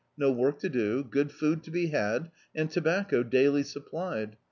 No work to do, good food to be had, and to bacco daily supplied.